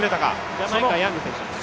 ジャマイカ、ヤング選手ですね。